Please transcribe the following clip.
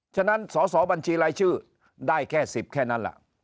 ฉะนั้นสอสอบัญชีรายชื่อได้แค่๑๐แค่นั้นล่ะ